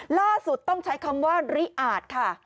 ล่าสุดต้องใช้คำว่าริอาจค่ะ